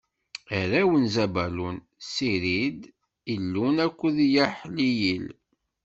Arraw n Zabulun: Sirid, Ilun akked Yaḥliyil.